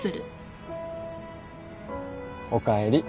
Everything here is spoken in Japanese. おかえり。